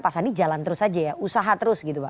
pak sandi jalan terus saja ya usaha terus gitu pak